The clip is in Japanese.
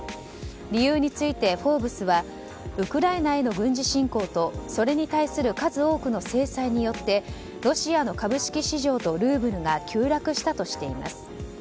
理由について「フォーブス」はウクライナへの軍事侵攻とそれに対する数多くの制裁によってロシアの株式市場とルーブルが急落したとしています。